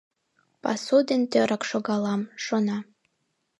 «Пасу ден тӧрак шогалам!» шона.